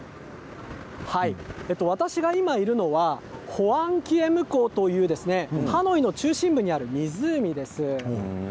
私が今いるのはホアンキエム湖というハノイの中心部にある湖です。